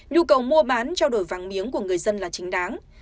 nhu cầu mua bán trao đổi vàng miếng của người dân là chính đáng